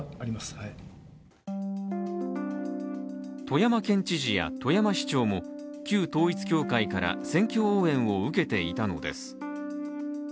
富山県知事や富山市長も、旧統一教会から選挙応援を受けていたのです。